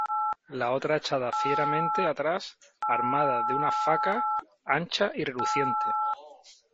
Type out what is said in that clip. la otra echada fieramente atrás , armada de una faca ancha y reluciente .